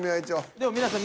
でも皆さん